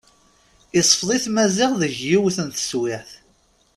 Isfeḍ-it Maziɣ deg yiwet n teswiɛt.